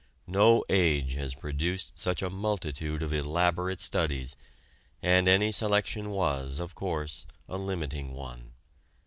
No age has produced such a multitude of elaborate studies, and any selection was, of course, a limiting one.